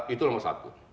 itu nomor satu